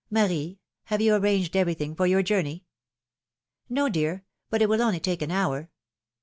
Marie, have you arranged everything for your journey ^^No, dear, but it will only take an hour.